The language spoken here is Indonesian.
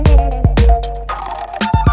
kau mau kemana